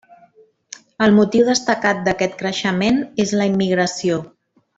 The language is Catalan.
El motiu destacat d'aquest creixement és la immigració.